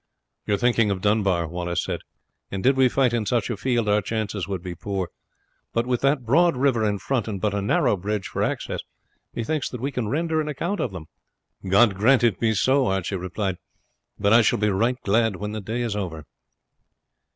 "You are thinking of Dunbar," Wallace said; "and did we fight in such a field our chances would be poor; but with that broad river in front and but a narrow bridge for access, methinks that we can render an account of them." "God grant it be so!" Archie replied; "but I shall be right glad when the day is over."